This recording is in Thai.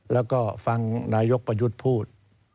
แล้วก็ฟังนายกประยุทธ์พูด